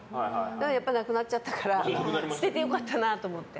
やっぱりなくなっちゃったから捨てて良かったなと思って。